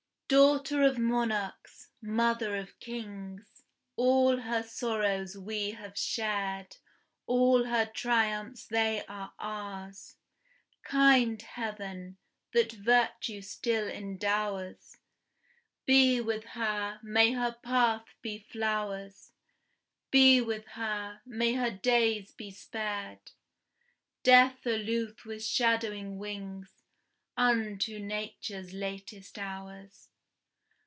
Daughter of monarchs, mother of kings; All her sorrows we have shared, All her triumphs they are ours. Kind Heaven, that virtue still endowers, Be with her, may her path be flowers; Be with her, may her days be spared, Death aloof with shadowing wings, Unto nature's latest hours!